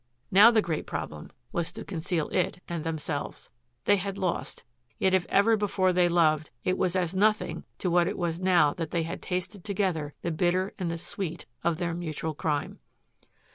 Now the great problem was to conceal it and themselves. They had lost, yet if ever before they loved, it was as nothing to what it was now that they had tasted together the bitter and the sweet of their mutual crime.